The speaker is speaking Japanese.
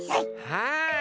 はい！